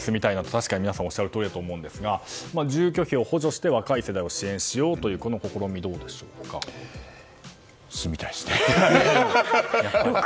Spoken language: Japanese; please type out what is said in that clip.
確かに皆さんおっしゃるとおりだと思うんですが住居費を補助して若い世代を支援しようという住みたいですね。